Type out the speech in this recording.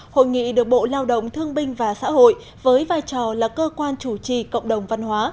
hội nghị được bộ lao động thương binh và xã hội với vai trò là cơ quan chủ trì cộng đồng văn hóa